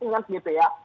ingat gitu ya